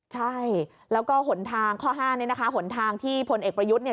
ใช่แล้วก็ข้อ๕นะคะหลังทางที่พลเอกประยุทธิ์